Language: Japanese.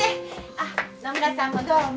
あっ野村さんもどうも。